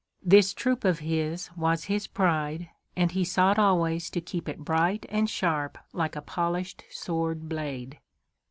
This troop of his was his pride, and he sought always to keep it bright and sharp like a polished sword blade.